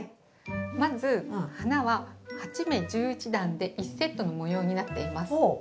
まず花は８目×１１段で１セットの模様になっています。